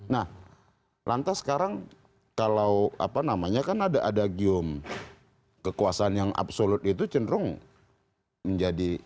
nah lantas sekarang kalau apa namanya kan ada ada gium kekuasaan yang absolut itu cenderung menjadi